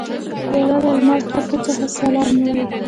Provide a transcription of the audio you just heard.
پیاله د لمر ختو ته سلام وايي.